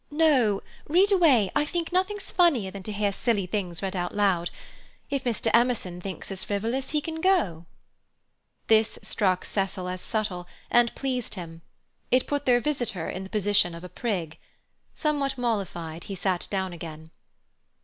"No—read away. I think nothing's funnier than to hear silly things read out loud. If Mr. Emerson thinks us frivolous, he can go." This struck Cecil as subtle, and pleased him. It put their visitor in the position of a prig. Somewhat mollified, he sat down again.